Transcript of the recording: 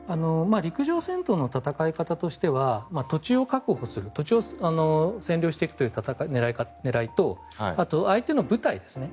陸上戦闘の戦い方としては土地を確保する土地を占領していく狙いとあと、相手の部隊ですね。